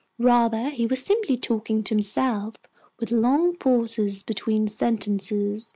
Rather, he was simply talking to himself, with long pauses between sentences.